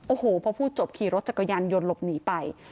โอ้โหพอพูดจบขี่รถจักรยานยนต์หลบหนีไป